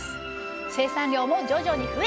生産量も徐々に増え